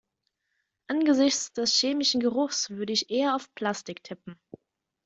Angesichts des chemischen Geruchs würde ich eher auf Plastik tippen.